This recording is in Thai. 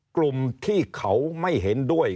กลุ่มที่เขาไม่เห็นด้วย